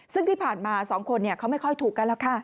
ซึ่งที่ผ่านมา๒คนเขาไม่ค่อยถูกกันแล้วค่ะ